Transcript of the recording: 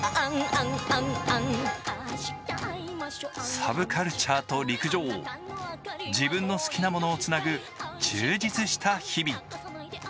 サブカルチャーと陸上、自分の好きなものをつなぐ充実した日々。